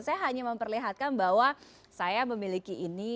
saya hanya memperlihatkan bahwa saya memiliki ini